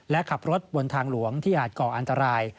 และขับรถบนทางหลวงที่อาจก่ออันตราย